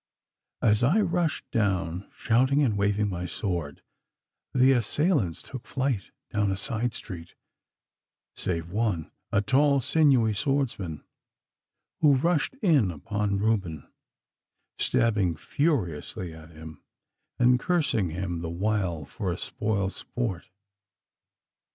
As I rushed down, shouting and waving my sword, the assailants took flight down a side street, save one, a tall sinewy swordsman, who rushed in upon Reuben, stabbing furiously at him, and cursing him the while for a spoil sport.